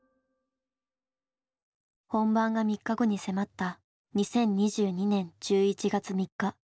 本番が３日後に迫った２０２２年１１月３日。